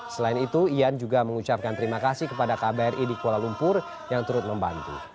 selain itu ian juga mengucapkan terima kasih kepada kbri di kuala lumpur yang turut membantu